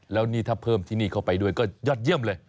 แล้วนี่ถ้าเพิ่มที่นี่เข้าไปด้วยก็ยอดเยี่ยมเลย